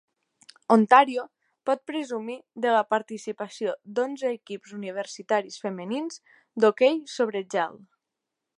Ontario pot presumir de la participació d'onze equips universitaris femenins d'hoquei sobre gel.